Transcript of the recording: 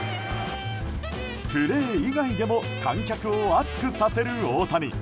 プレー以外でも観客を熱くさせる大谷。